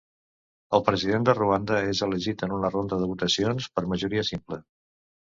El President de Ruanda és elegit en una ronda de votacions per majoria simple.